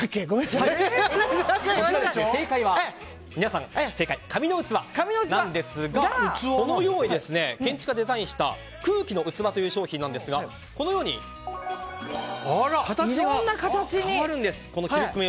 正解は、紙の器なんですがこのように建築家がデザインした空気の器という商品なんですがこのように、形が変わるんです。